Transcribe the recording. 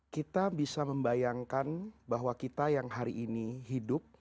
kita bisa membayangkan bahwa kita yang hari ini hidup